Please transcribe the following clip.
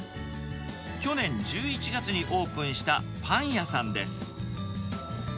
去年１１月にオープンしたパン屋さんです。